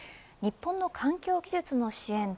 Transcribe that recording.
日本の環境技術の支援